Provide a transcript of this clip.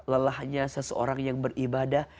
lelahnya seseorang yang beribadah